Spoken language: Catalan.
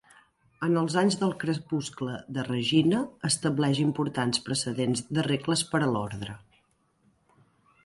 En els anys del crepuscle de Regina, estableix importants precedents de regles per a l'Ordre.